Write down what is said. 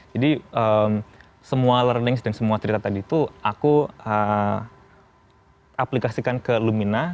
semua learnings dan semua cerita tadi itu aku aplikasikan ke lumina